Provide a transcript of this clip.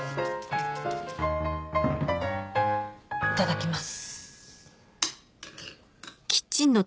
いただきます。